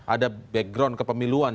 ada background kepemiluan